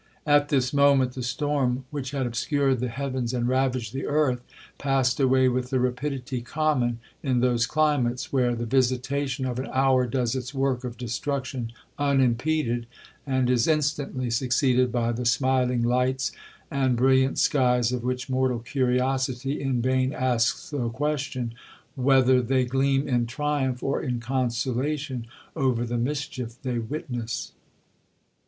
'At this moment the storm, which had obscured the heavens and ravaged the earth, passed away with the rapidity common in those climates, where the visitation of an hour does its work of destruction unimpeded, and is instantly succeeded by the smiling lights and brilliant skies of which mortal curiosity in vain asks the question, Whether they gleam in triumph or in consolation over the mischief they witness?